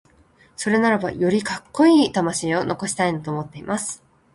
それならば、よりカッコイイ魂を残したいなと思っています。